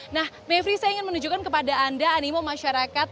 nah mavri saya ingin menunjukkan kepada anda animo masyarakat